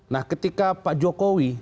nah ketika pak jokowi